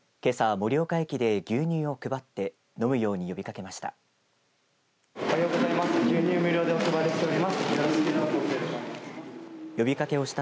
盛岡駅で牛乳を配って飲むように呼びかけました。